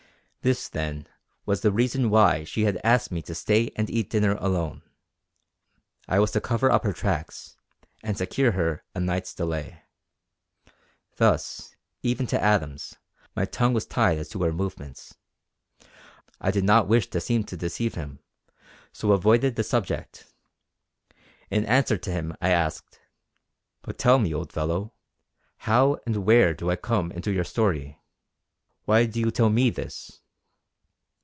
This, then, was the reason why she had asked me to stay and eat dinner alone; I was to cover up her tracks and secure her a night's delay. Thus, even to Adams, my tongue was tied as to her movements. I did not wish to seem to deceive him, so avoided the subject. In answer to him I asked: "But tell me, old fellow, how and where do I come into your story? Why do you tell me this?"